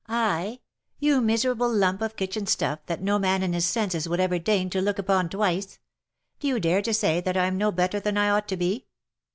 " I !— You miserable lump of kitchen stuff, that no man in his senses would ever deign to look upon twice ! Do you dare to say that I'm no better than I ought to be